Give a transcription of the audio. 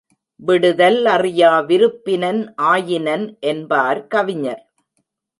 விடுதல் அறியா விருப்பினன் ஆயினன் என்பார் கவிஞர்.